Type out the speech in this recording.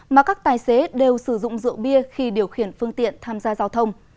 mà các tài xế đều sử dụng rượu bia khi điều khiển phương tiện tham gia giao thông